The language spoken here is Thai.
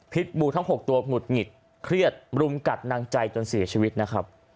บูทั้ง๖ตัวหงุดหงิดเครียดรุมกัดนางใจจนเสียชีวิตนะครับ